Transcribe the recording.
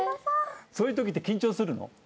そういうときって緊張するの？